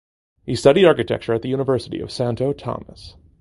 He studied architecture at the University of Santo Tomas.